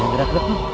ayo berat berat nih